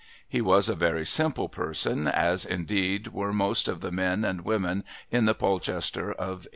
He was a very simple person, as indeed were most of the men and women in the Polchester of 1897.